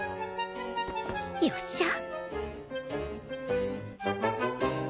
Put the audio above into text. よっしゃ！